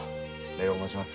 礼を申します。